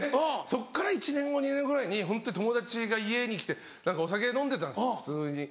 そっから１年後２年後ぐらいに友達が家に来てお酒飲んでたんです普通に。